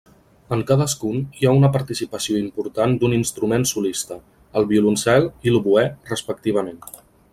En cadascun hi ha una participació important d'un instrument solista, el violoncel i l'oboè, respectivament.